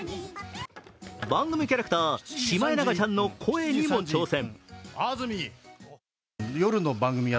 番組キャラクターシマエナガちゃんの声にも挑戦。